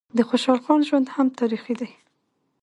د خوشحال خان ژوند هم تاریخي دی.